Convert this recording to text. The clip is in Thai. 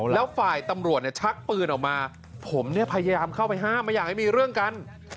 แล้วฝ่ายตำรวจชักปืนออกมาผมเนี่ยพยายามเข้าไปห้ามไม่อยากให้มีเรื่องกัน